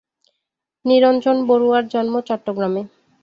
নিরঞ্জন বড়ুয়ার জন্ম চট্টগ্রামে।